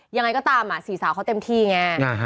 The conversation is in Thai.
ยังไงก็ตามสี่สาวเขาเต็มที่ไง